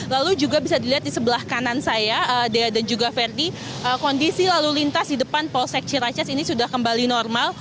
lalu juga bisa dilihat di sebelah kanan saya dan juga verdi kondisi lalu lintas di depan polsek ciracas ini sudah kembali normal